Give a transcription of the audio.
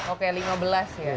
oke lima belas ya